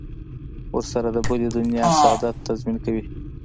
ورسره د بلې دنیا سعادت تضمین کوي.